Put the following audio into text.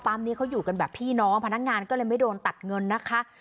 นี้เขาอยู่กันแบบพี่น้องพนักงานก็เลยไม่โดนตัดเงินนะคะ